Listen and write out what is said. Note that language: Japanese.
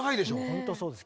本当そうです